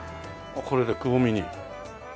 これでくぼみに。